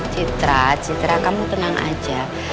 citra citra kamu tenang aja